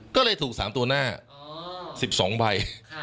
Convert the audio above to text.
ก็เลยถูก๓ตัวหน้า๑๒ใบ